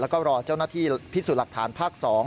แล้วก็รอเจ้าหน้าที่พิสูจน์หลักฐานภาค๒